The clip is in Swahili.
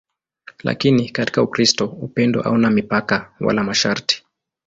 Lakini katika Ukristo upendo hauna mipaka wala masharti.